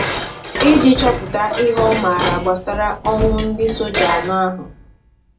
iji chọpụta ịhe ọ maara gbasara ọnwụ ndị soja anọ ahụ.